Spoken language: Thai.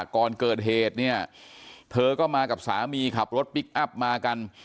ก่อนเกิดเหตุเนี่ยเธอก็มากับสามีขับรถพลิกอัพมากัน